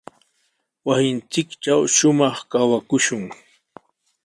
Wasinchiktraw shumaq kawakushun.